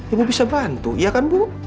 ibu bisa bantu iya kan bu